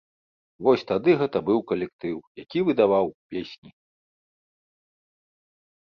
Вось тады гэта быў калектыў, які выдаваў песні!